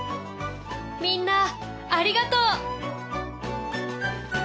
みんなありがとう。